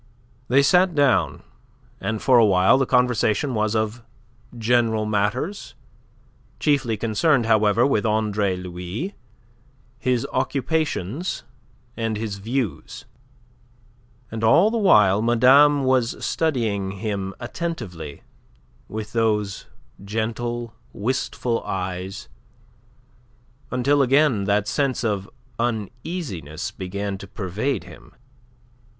They sat down, and for a while the conversation was of general matters, chiefly concerned, however, with Andre Louis, his occupations and his views. And all the while madame was studying him attentively with those gentle, wistful eyes, until again that sense of uneasiness began to pervade him.